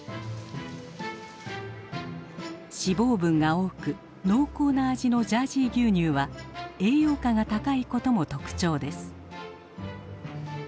脂肪分が多く濃厚な味のジャージー牛乳は栄養価が高いことも特徴です。